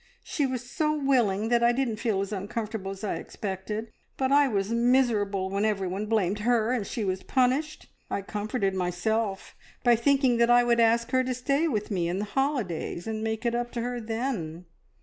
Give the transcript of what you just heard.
She was so willing, that I didn't feel as uncomfortable as I expected, but I was miserable when everyone blamed her, and she was punished. I comforted myself by thinking that I would ask her to stay with me in the holidays, and make it up to her then.